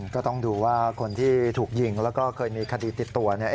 ก็ต้องดูว่าคนที่ถูกยิงแล้วก็เคยมีคดีติดตัวเนี่ย